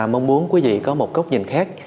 mong muốn quý vị có một góc nhìn khác